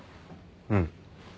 うん。